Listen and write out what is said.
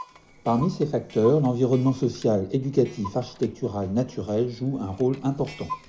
Parmi ces facteurs l'environnement social, éducatif, architectural, naturel joue un rôle important.